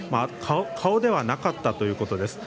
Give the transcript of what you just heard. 顔ではなかったということです。